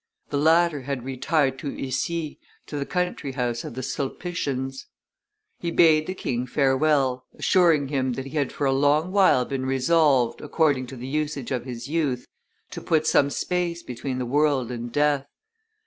The latter had retired to Issy, to the countryhouse of the Sulpicians; he bade the king farewell, assuring him that he had for a long while been resolved, according to the usage of his youth, to put some space between the world and death.